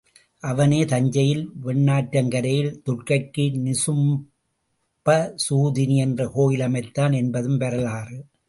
அவனே தஞ்சையில் வெண்ணாற்றங்கரையில் துர்க்கைக்கு நிசும்பசூதனி என்ற கோயில் அமைத்தான் என்பதும் வரலாறு.